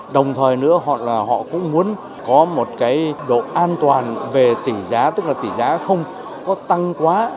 đồng thời nữa họ là họ cũng muốn có một cái độ an toàn về tỷ giá tức là tỷ giá không có tăng quá